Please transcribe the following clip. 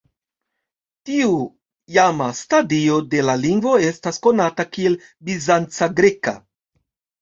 Tiu iama stadio de la lingvo estas konata kiel bizanca greka.